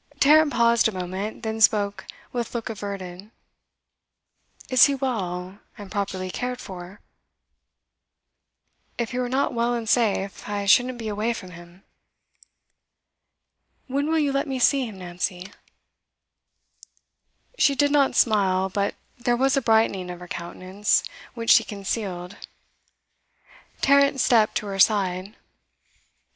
Tarrant paused a moment, then spoke with look averted. 'Is he well, and properly cared for?' 'If he were not well and safe, I shouldn't be away from him.' 'When will you let me see him, Nancy?' She did not smile, but there was a brightening of her countenance, which she concealed. Tarrant stepped to her side.